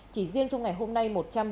chỉ riêng trong ngày hôm nay